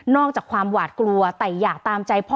อกจากความหวาดกลัวแต่อยากตามใจพ่อ